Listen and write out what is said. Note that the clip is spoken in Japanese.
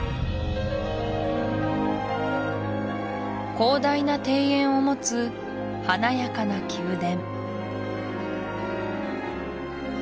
広大な庭園を持つ華やかな宮殿